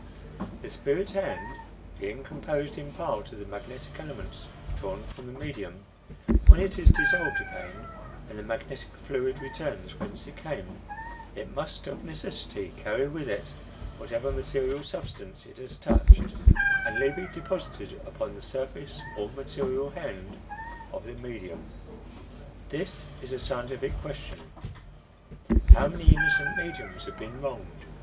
The spirit hand being composed in part of the magnetic elements drawn from the medium, when it is dissolved again, and the magnetic fluid returns whence it came, it must of necessity carry with it whatever material substance it has touched, and leave it deposited upon the surface or material hand of the medium. This is a scientific question. How many innocent mediums have been wronged?